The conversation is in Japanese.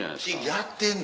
やってんの？